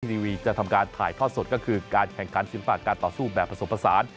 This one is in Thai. ทีวีจะทำการถ่ายทอดสดก็คือการแข่งขันศิลปะการต่อสู้แบบผสมผสาน